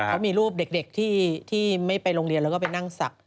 เขามีรูปเด็กที่ไม่ไปโรงเรียนแล้วก็ไปนั่งศักดิ